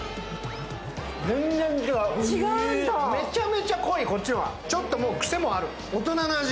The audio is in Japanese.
めちゃめちゃ濃い、こっちはちょっとクセもある、大人な味。